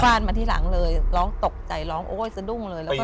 มาที่หลังเลยร้องตกใจร้องโอ๊ยสะดุ้งเลยแล้วก็